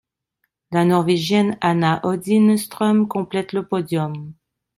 La Norvégienne Anna Odine Stroem complète le podium.